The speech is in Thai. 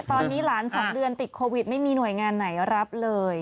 ตอนนี้หลาน๒เดือนติดโควิดไม่มีหน่วยงานไหนรับเลย